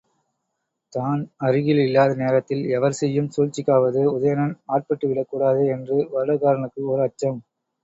தான் அருகில் இல்லாத நேரத்தில் எவர் செய்யும் சூழ்ச்சிக்காவது உதயணன் ஆட்பட்டுவிடக் கூடாதே! என்று வருடகாரனுக்கு ஓர் அச்சம்.